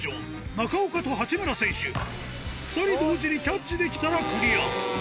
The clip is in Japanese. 中岡と八村選手、２人同時にキャッチできたらクリア。